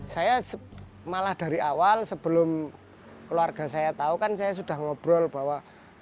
saya malah dari awal sebelum keluarga saya tahu kan saya sudah ngobrol bahwa